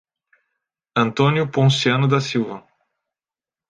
Antônio Ponciano da Silva